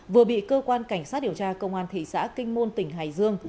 vừa bị cơ quan cảnh sát điều tra công an thị xã kinh môn tỉnh hải dương